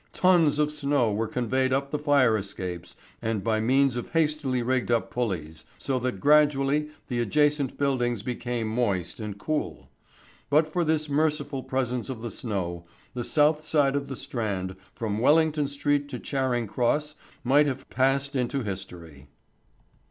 Tons of snow were conveyed up the fire escapes and by means of hastily rigged up pullies, so that gradually the adjacent buildings became moist and cool. But for this merciful presence of the snow, the south side of the Strand from Wellington Street to Charing Cross might have passed into history.